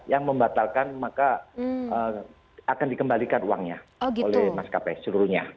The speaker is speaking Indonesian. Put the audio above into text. yang membatalkan maka akan dikembalikan uangnya oleh maskapai seluruhnya